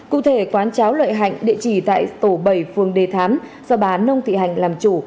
cụ thể quán cháo lợi hạnh địa chỉ tại tổ bảy phường đề thám do bà nông thị hạnh làm chủ